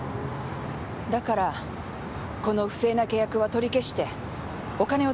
だからこの不正な契約は取り消してお金を取り戻さないと。